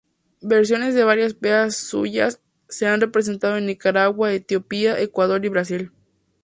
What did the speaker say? Versiones de varias piezas suyas se han representado en Nicaragua, Etiopía, Ecuador y Brasil.